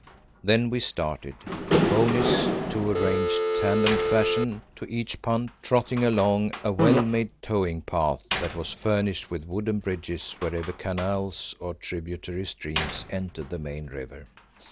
Then we started, the ponies, two arranged tandem fashion to each punt, trotting along a well made towing path that was furnished with wooden bridges wherever canals or tributary streams entered the main river.